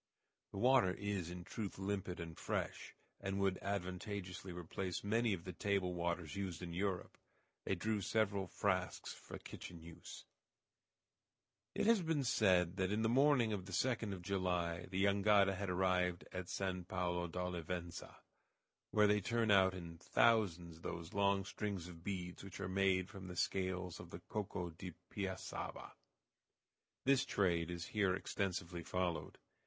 The water is in truth limpid and fresh, and would advantageously replace many of the table waters used in Europe. They drew several frasques for kitchen use. It has been said that in the morning of the 2d of July the jangada had arrived at San Pablo d'Olivença, where they turn out in thousands those long strings of beads which are made from the scales of the "coco de piassaba." This trade is here extensively followed.